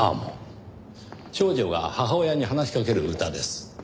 少女が母親に話しかける歌です。